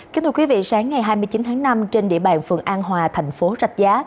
kính thưa quý vị sáng ngày hai mươi chín tháng năm trên địa bàn phường an hòa thành phố rạch giá